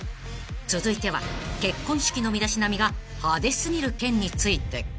［続いては結婚式の身だしなみが派手過ぎる件について］